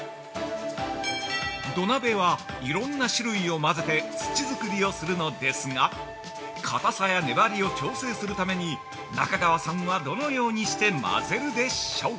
土鍋は、色んな種類を混ぜて土づくりをするのですがかたさや粘りを調整するために中川さんはどのようにして混ぜるでしょう？